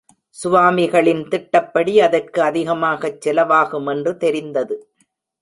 சுவாமிகளின் திட்டப்படி அதற்கு அதிகமாகச் செலவாகுமென்று தெரிந்தது.